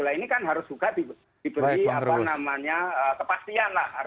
nah ini kan harus juga diberi kepastian lah